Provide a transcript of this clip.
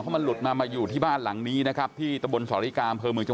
ฟิลิสอยู่กับแพงนี้เดี๋ยวกันวิ่งวันนี้ผมเตะโขมไปนั่นแล้วกั้น